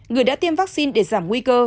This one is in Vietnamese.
người đã tiêm vaccine để giảm nguy cơ